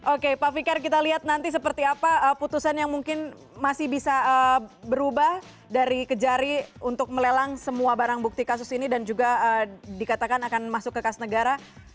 oke pak fikar kita lihat nanti seperti apa putusan yang mungkin masih bisa berubah dari kejari untuk melelang semua barang bukti kasus ini dan juga dikatakan akan masuk ke kas negara